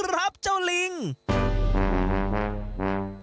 วิธีแบบไหนไปดูกันเล็ก